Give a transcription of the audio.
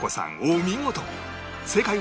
お見事！